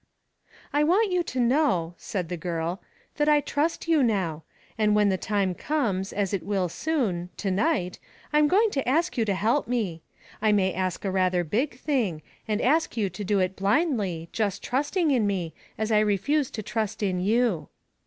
"I want you to know," said the girl, "that I trust you now. And when the time comes, as it will soon to night I am going to ask you to help me. I may ask a rather big thing, and ask you to do it blindly, just trusting in me, as I refused to trust in you."